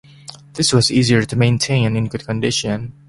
This was easier to maintain in good condition.